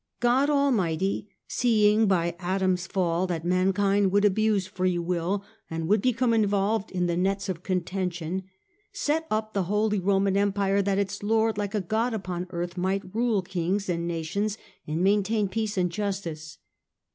" God Almighty, seeing by Adam's fall that mankind would abuse free will, and would become involved in the nets of contention, set up the Holy Roman Empire that its Lord, like a God upon earth, might rule kings and nations and maintain peace and justice.